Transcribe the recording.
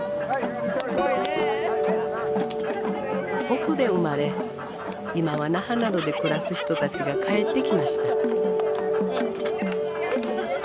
奥で生まれ今は那覇などで暮らす人たちが帰ってきました。